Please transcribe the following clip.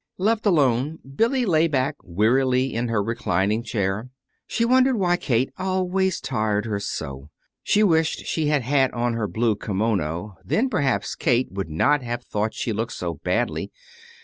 Left alone, Billy lay back wearily in her reclining chair. She wondered why Kate always tired her so. She wished she had had on her blue kimono, then perhaps Kate would not have thought she looked so badly.